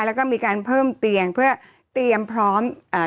แล้วก็มีการเพิ่มเตียงเพื่อเตรียมพร้อมอ่า